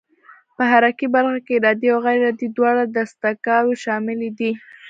په حرکي برخه کې ارادي او غیر ارادي دواړه دستګاوې شاملې دي.